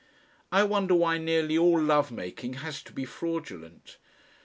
I wonder why nearly all love making has to be fraudulent.